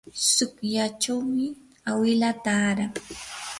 tsukllachawmi awilaa taaran.